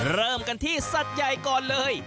เริ่มกันที่สัตว์ใหญ่ก่อนเลย